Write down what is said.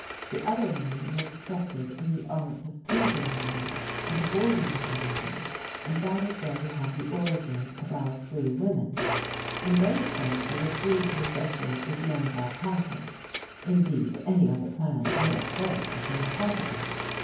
The other women were instructed in the arts of pleasing man and avoiding maternity, and that is where we have the origin of our free women. In those days they were free to associate with men of all classes. Indeed any other plan would at first have been impossible.